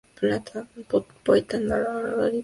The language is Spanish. Poeta, narrador y periodista.